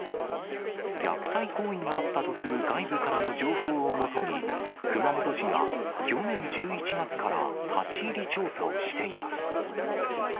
虐待行為があったとする外部からの情報を基に、熊本市が去年１１月から立ち入り調査をしています。